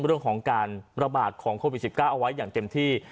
เรื่องของการระบาดของโควิด๑๙เอาไว้อย่างเต็มที่